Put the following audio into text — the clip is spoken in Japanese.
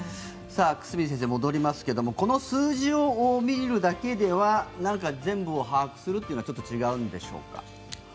久住先生、戻りますけれどもこの数字を見るだけでは全部を把握するのはちょっと違うんでしょうか。